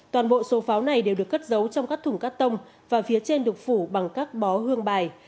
toàn bộ số pháo này đều được cất giấu trong các thùng cắt tông và phía trên được phủ bằng các bó hương bài